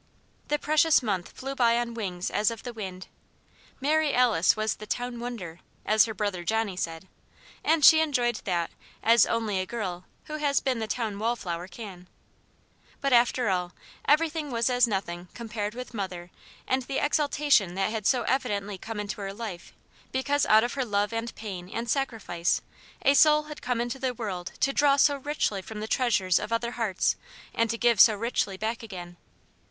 The precious month flew by on wings as of the wind. Mary Alice was "the town wonder," as her brother Johnny said, and she enjoyed that as only a girl who has been the town wall flower can; but after all, everything was as nothing compared with Mother and the exultation that had so evidently come into her life because out of her love and pain and sacrifice a soul had come into the world to draw so richly from the treasures of other hearts and to give so richly back again.